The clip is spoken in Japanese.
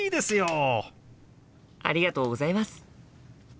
ありがとうございます！